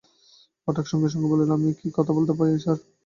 পাঠক সঙ্গে সঙ্গে বলল, আমি কি কথা বলতে পারি স্যার?